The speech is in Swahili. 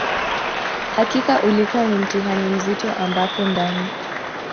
Hakika ulikua ni mtihani mzito ambapo ndani